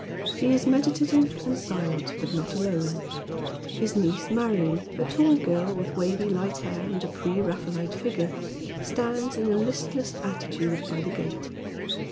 He is meditative and silent, but not alone. His niece Marion, a tall girl with wavy light hair, and a pre Raphaelite figure, stands in a listless attitude by the gate.